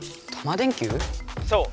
そう。